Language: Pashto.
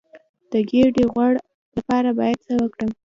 د ګیډې د غوړ لپاره باید څه وکړم؟